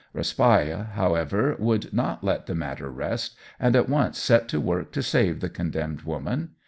Raspail, however, would not let the matter rest, and at once set to work to save the condemned woman.